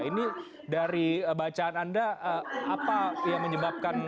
ini dari bacaan anda apa yang menyebabkan